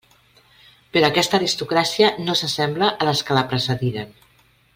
Però aquesta aristocràcia no s'assembla a les que la precediren.